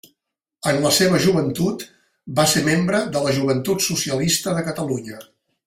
En la seva joventut va ser membre de la Joventut Socialista de Catalunya.